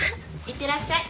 いってらっしゃい。